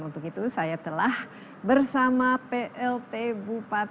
untuk itu saya telah bersama plt bupati